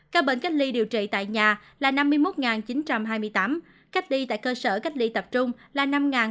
ca bệnh cách ly điều trị tại nhà là năm mươi một chín trăm hai mươi tám cách ly tại cơ sở cách ly tập trung là năm ba trăm tám mươi bốn